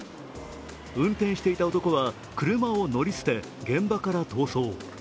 運転していた男は車を乗り捨て、現場から逃走。